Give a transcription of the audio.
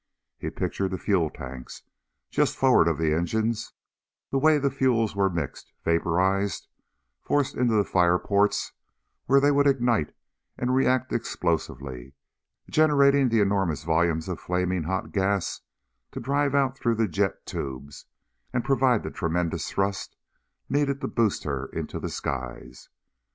He pictured the fuel tanks just forward of the engines; the way the fuels were mixed, vaporized, forced into the fireports where they would ignite and react explosively, generating the enormous volumes of flaming hot gas to drive out through the jet tubes and provide the tremendous thrust needed to boost her into the skies.